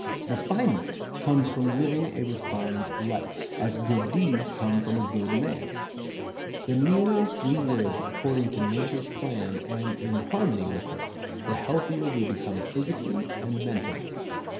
Refinement comes from living a refined life, as good deeds come from a good man. The nearer we live according to Nature's plan, and in harmony with Her, the healthier we become physically and mentally.